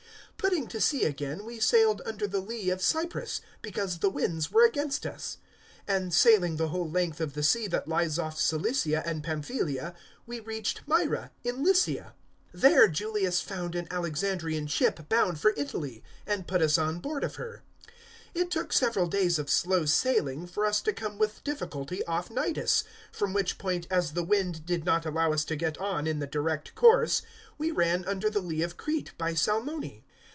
027:004 Putting to sea again, we sailed under the lee of Cyprus, because the winds were against us; 027:005 and, sailing the whole length of the sea that lies off Cilicia and Pamphylia, we reached Myra in Lycia. 027:006 There Julius found an Alexandrian ship bound for Italy, and put us on board of her. 027:007 It took several days of slow sailing for us to come with difficulty off Cnidus; from which point, as the wind did not allow us to get on in the direct course, we ran under the lee of Crete by Salmone.